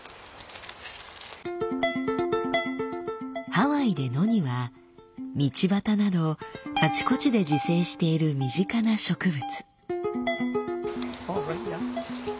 ハワイでノニは道端などあちこちで自生している身近な植物。